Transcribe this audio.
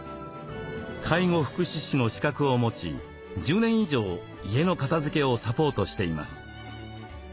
介護福祉士の資格を持ち１０年以上家の片づけをサポートしています。